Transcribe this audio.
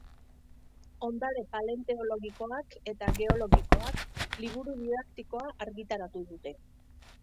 Ondare paleontologikoak eta geologikoak liburu didaktikoa argitaratu dute.